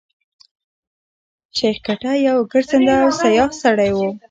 شېخ کټه يو ګرځنده او سیاح سړی وو.